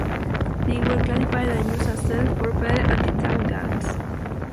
They were classified and used as "self-propelled anti-tank guns".